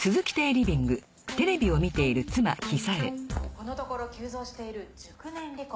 このところ急増している熟年離婚。